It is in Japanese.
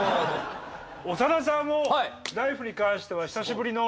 長田さんも「ＬＩＦＥ！」に関しては久しぶりの。